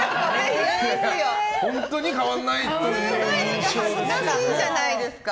本当に変わらないという恥ずかしいじゃないですか。